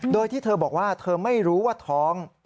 โดยที่เธอบอกว่าเธอไม่รู้ว่าท้อง